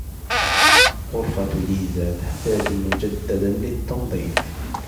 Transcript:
غرفة ليزا تحتاج مجددا للتنظيف.